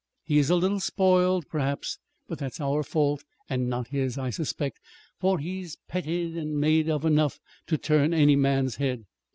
He is a little spoiled, perhaps; but that's our fault and not his, I suspect, for he's petted and made of enough to turn any man's head.